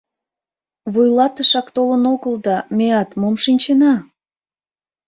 Вуйлатышак толын огыл да, меат мом шинчена!